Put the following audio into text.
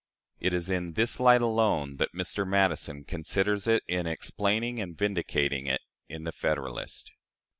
It is in this light alone that Mr. Madison considers it in explaining and vindicating it in the "Federalist."